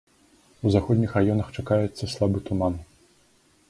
У заходніх раёнах чакаецца слабы туман.